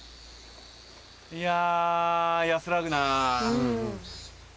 いや安らぐなぁ。